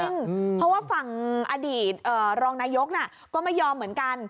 เพราะว่าฝั่งอดีตรองนายกก็ไม่ยอมเหมือนกัน